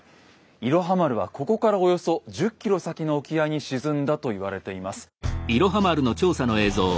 「いろは丸」はここからおよそ１０ｋｍ先の沖合に沈んだと言われています。